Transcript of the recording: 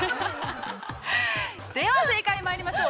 ◆では正解まいりましょう。